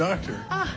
ああ。